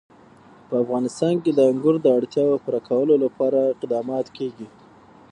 په افغانستان کې د انګور د اړتیاوو پوره کولو لپاره اقدامات کېږي.